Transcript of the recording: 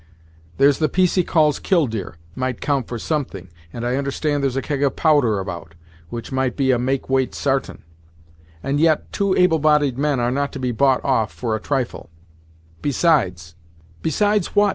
There's the piece he calls Killdeer, might count for something, and I understand there's a keg of powder about, which might be a make weight, sartain; and yet two able bodied men are not to be bought off for a trifle besides " "Besides what?"